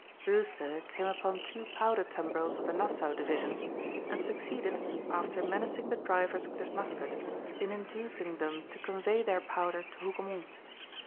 Brewster came upon two powder tumbrils of the Nassau division, and succeeded, after menacing the drivers with his musket, in inducing them to convey their powder to Hougoumont.